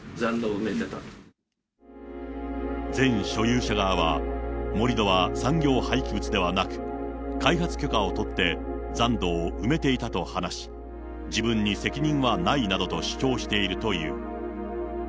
前所有者側は、盛り土は産業廃棄物ではなく、開発許可を取って、残土を埋めていたと話し、自分に責任はないなどと主張しているという。